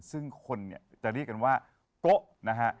ซึ่งคนเนี่ยจะเรียกกันว่าโกะนะฮะ